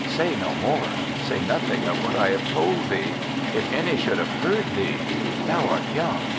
" Say no more. Say nothing of what I have told thee. If any should have heard thee —— Thou art young.